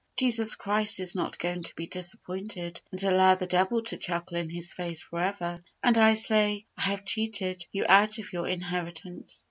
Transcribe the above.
Jesus Christ is not going to be disappointed, and allow the devil to chuckle in His face forever, and say, "I have cheated You out of Your inheritance."